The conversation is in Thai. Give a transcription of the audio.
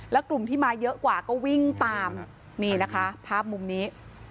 แล้วกลุ่มที่มาเยอะกว่าก็วิ่งตามนี่นะคะภาพมุมนี้